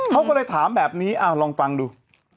เขาก็เลยถามแบบนี้ลองฟังดู